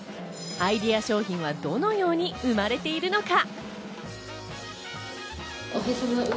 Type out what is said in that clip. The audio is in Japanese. アイデア商品はどのように生まれているのか？